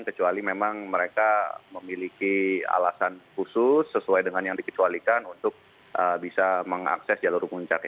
kecuali memang mereka memiliki alasan khusus sesuai dengan yang dikecualikan untuk bisa mengakses jalur puncak